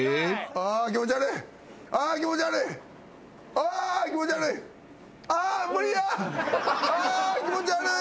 あ気持ち悪い！